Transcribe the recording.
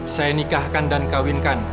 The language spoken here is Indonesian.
saya nikahkan dan kawinkan